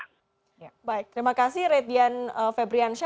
baik terima kasih redian febrian seng